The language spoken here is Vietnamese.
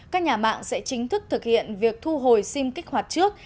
các nhà mạng sẽ chính thức thực hiện việc thu hồi sim kích hoạt trước